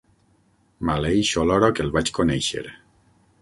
Maleeixo l'hora que el vaig conèixer.